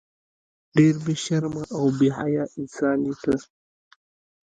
ډیر بی شرمه او بی حیا انسان یی ته